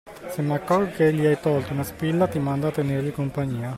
Se m'accorgo che gli hai tolto una spilla, ti mando a tenergli compagnia.